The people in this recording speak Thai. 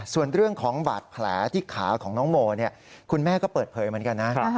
ส่วนเรื่องของบาดแผลที่ขาของน้องโมคุณแม่ก็เปิดเผยเหมือนกันนะ